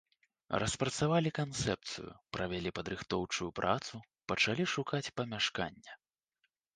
Распрацавалі канцэпцыю, правялі падрыхтоўчую працу, пачалі шукаць памяшканне.